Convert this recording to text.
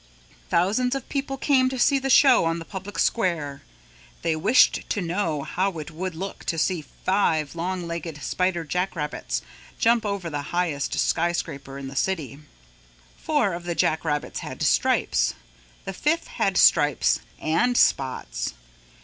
Thousands of people came to see the show on the public square. They wished to know how it would look to see five long legged, spider jack rabbits jump over the highest skyscraper in the city. Four of the jack rabbits had stripes. The fifth had stripes and spots.